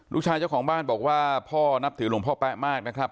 เจ้าของบ้านบอกว่าพ่อนับถือหลวงพ่อแป๊ะมากนะครับ